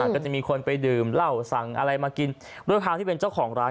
ก็จะมีคนไปดื่มเหล้าสั่งอะไรมากินด้วยความที่เป็นเจ้าของร้าน